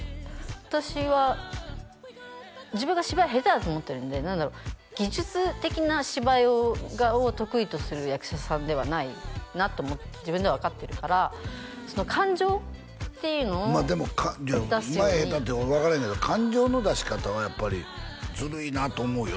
私は自分が芝居下手だと思ってるんで何だろう技術的な芝居を得意とする役者さんではないなと自分では分かってるからその感情っていうのをまあでもうまい下手って俺分からへんけど感情の出し方はやっぱりずるいなと思うよ